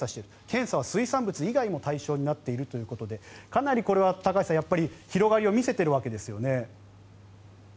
検査は水産物以外も対象になっているということでかなりこれは高橋さん広がりを見せてるわけですよね。